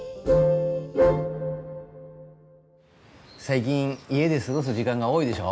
最近家で過ごす時間が多いでしょ。